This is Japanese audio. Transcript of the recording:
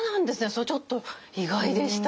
それはちょっと意外でした。